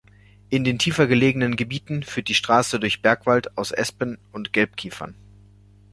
In den tiefer gelegenen Gebieten führt die Straße durch Bergwald aus Espen und Gelb-Kiefern.